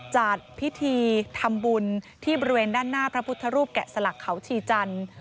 จัดพิธีทำบุญที่บริเวณด้านหน้าพระพุทธรูปแกะสลักเขาชีจันทร์